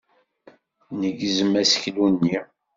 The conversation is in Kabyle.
Negzem aseklu-nni.